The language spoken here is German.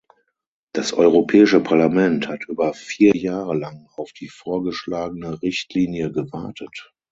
Das Europäische Parlament hat über vier Jahre lang auf die vorgeschlagene Richtlinie gewartet.